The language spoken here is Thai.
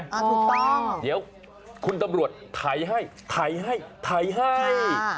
อ่าถูกต้องเดี๋ยวคุณตำรวจไถให้ไถให้ไถให้